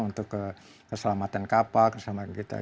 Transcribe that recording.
untuk keselamatan kapal keselamatan kita